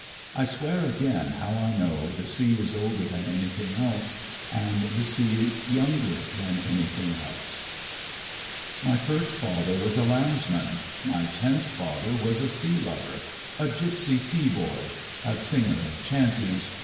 . I swear again how I know the sea is older than anything else and the sea younger than anything else. My first father was a landsman. My tenth father was a sea lover, a gipsy sea boy, a singer of chanties.